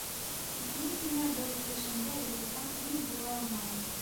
Тик мин һиңә был эшендә ярҙам-им була алмайым.